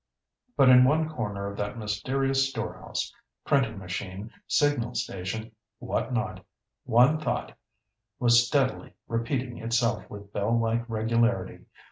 But in one corner of that mysterious store house, printing machine, signal station, whatnot, one thought was steadily repeating itself with bell like regularity.